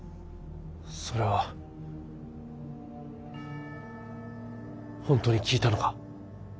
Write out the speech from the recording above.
それは本当に聞いたのか。